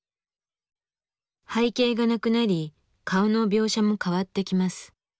背景がなくなり顔の描写も変わってきます。